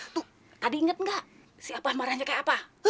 tuh tadi inget nggak si abah marahnya kayak apa